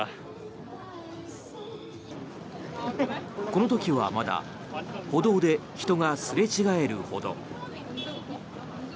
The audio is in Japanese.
この時はまだ歩道で人がすれ違えるほど。